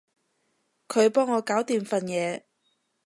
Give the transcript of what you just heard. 佢幫我搞掂份嘢